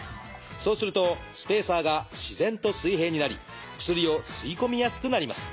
そうするとスペーサーが自然と水平になり薬を吸い込みやすくなります。